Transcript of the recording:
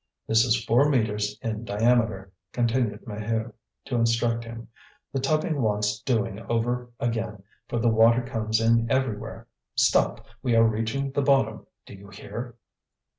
"This is four metres in diameter," continued Maheu, to instruct him. "The tubbing wants doing over again, for the water comes in everywhere. Stop! we are reaching the bottom: do you hear?"